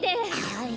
はい。